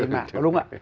đúng không ạ